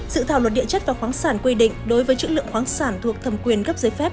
sự thảo luật địa chất và khoáng sản quy định đối với chữ lượng khoáng sản thuộc thẩm quyền cấp giấy phép